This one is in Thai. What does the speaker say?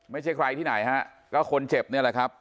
ไม่ใช่ใครที่ไหนฮะก็คนเจ็บนี่แหละครับ